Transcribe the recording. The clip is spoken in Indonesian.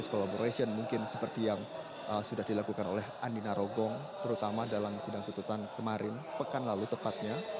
kolaborasi mungkin seperti yang sudah dilakukan oleh andina rogong terutama dalam sidang tututan kemarin pekan lalu tepatnya